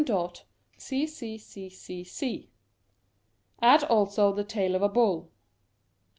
M.CCCCC Add also the tail of a bull